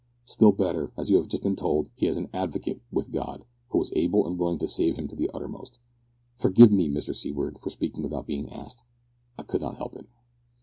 Still better, as you have just been told, he has an Advocate with God, who is able and willing to save him to the uttermost. Forgive me, Mr Seaward, for speaking without being asked. I could not help it."